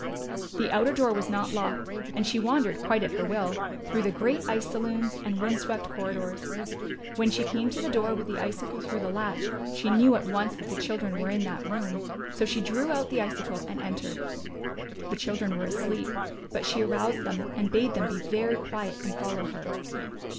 The outer door was not locked and she wandered quite at her will, through the great ice saloons, and wind swept corridors. When she came to the door with the icicle through the latch, she knew at once that the children were in that room, so she drew out the icicle and entered. The children were asleep, but she aroused them, and bade them be very quiet and follow her.